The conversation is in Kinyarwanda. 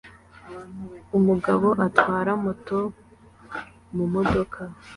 Umugabo atwara moto mumodoka